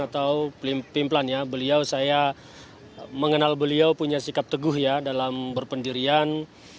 atau pimplan ya beliau saya mengenal beliau punya sikap teguh ya dalam berpendirian